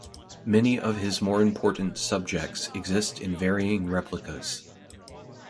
Many of his more important subjects exist in varying replicas.